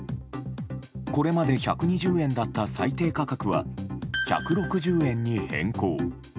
これまで１２０円だった最低価格は１６０円に変更。